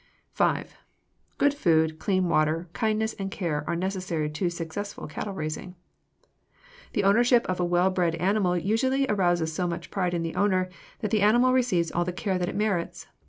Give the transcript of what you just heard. (5) Good food, clean water, kindness, and care are necessary to successful cattle raising. [Illustration: FIG. 251. HOLSTEIN COW] The ownership of a well bred animal usually arouses so much pride in the owner that the animal receives all the care that it merits.